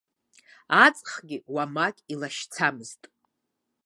Аҵхгьы уамак илашьцамызт.